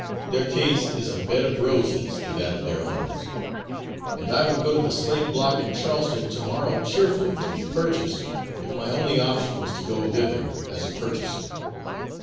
their case is a bed of roses to that of their owners, and I would go to the slave block in Charleston to morrow cheerfully to be purchased, if my only option was to go thither as a purchaser.